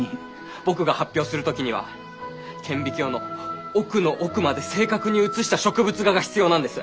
僕が発表する時には顕微鏡の奥の奥まで正確に写した植物画が必要なんです！